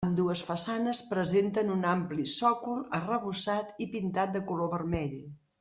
Ambdues façanes presenten un ampli sòcol arrebossat i pintat de color vermell.